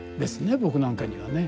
僕なんかにはね。